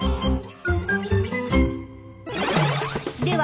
では